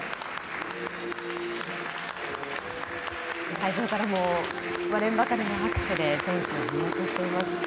会場からも割れんばかりの拍手で選手を見送っています。